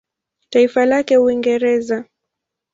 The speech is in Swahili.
Taifa lake Uingereza.